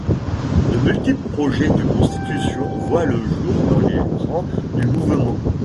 De multiples projets de constitutions voient le jour dans les rangs du Mouvement.